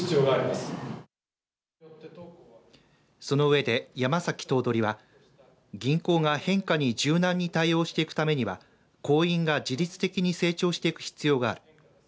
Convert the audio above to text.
その上で、山崎頭取は銀行が変化に柔軟に対応していくためには行員が自律的に成長していく必要がある。